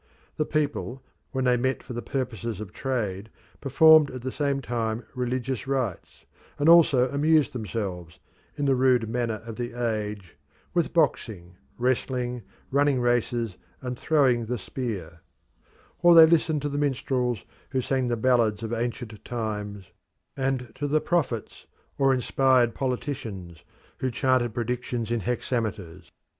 The people, when they met for the purposes of trade, performed at the same time religious rites, and also amused themselves, in the rude manner of the age, with boxing, wrestling, running races, and throwing the spear; or they listened to the minstrels, who sang the ballads of ancient times, and to the prophets or inspired politicians, who chanted predictions in hexameters.